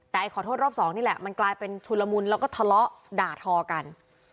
แต่ขอโทษรอบสองนี่แหละมันกลายเป็นชุนละมุนแล้วก็ทะเลาะด่าทอกัน